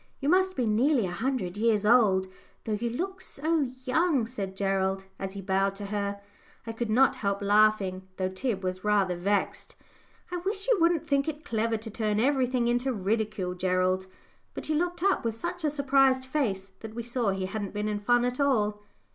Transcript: You must be nearly a hundred years old, though you look so young," said Gerald, as he bowed to her. I could not help laughing, though Tib was rather vexed. "I wish you wouldn't think it clever to turn everything into ridicule, Gerald," but he looked up with such a surprised face that we saw he hadn't been in fun at all.